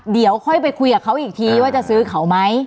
เดี๋ยวค่อยไปคุยกับเขาอีกทีว่าจะซื้อเขาไหม